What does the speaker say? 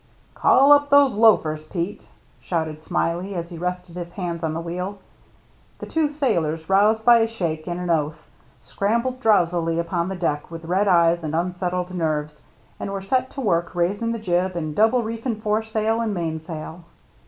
" Call up those loafers, Pete," shouted Smiley, as he rested his hands on the wheel. The two sailors, roused by a shake and an oath, scrambled drowsily upon the deck with red eyes and unsettled nerves, and were set to work raising the jib and double reefing foresail and mainsail.